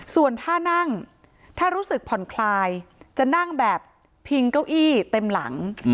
ส่วนท่านั่งถ้ารู้สึกผ่อนคลายจะนั่งแบบพิงเก้าอี้เต็มหลัง